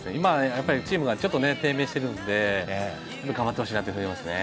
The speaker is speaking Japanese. やっぱりチームがちょっとね低迷してるので頑張ってほしいなというふうに思いますね。